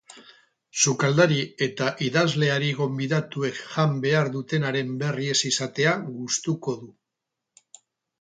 Sukaldari eta idazleari gonbidatuek jan behar dutenaren berri ez izatea gustuko du.